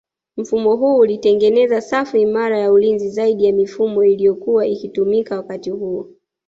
Mfumo huu ulitengeneza safu imara ya ulinzi zaidi ya mifumo iliyokua ikitumika wakati huo